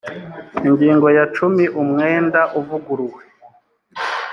ingingo ya cumi umwenda uvuguruwe